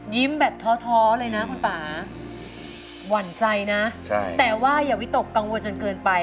แบบท้อเลยนะคุณป่าหวั่นใจนะแต่ว่าอย่าวิตกกังวลจนเกินไป